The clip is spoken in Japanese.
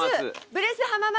ブレス浜松